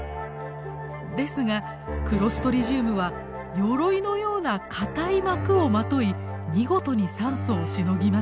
ですがクロストリジウムはよろいのような硬い膜をまとい見事に酸素をしのぎます。